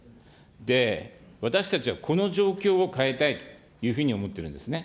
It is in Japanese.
で、私たちはこの状況を変えたいというふうに思ってるんですね。